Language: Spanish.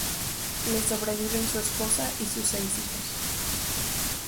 Le sobreviven su esposa y sus seis hijos.